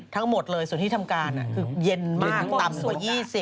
ทั้งหมดเลยส่วนที่ทำการคือเย็นมากต่ำกว่า๒๐